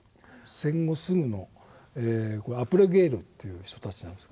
戦後すぐのこれ「アプレゲール」という人たちなんです。